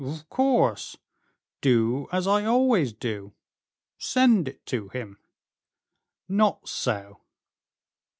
"Of course; do as I always do, send it to him." "Not so."